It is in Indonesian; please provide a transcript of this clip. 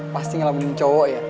pasti ngelamunin cowok ya